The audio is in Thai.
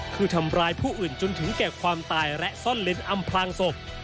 คือทำร้ายผู้อื่นจนถึงแก่ความตายและซ่อนเล้นอำพลางศพ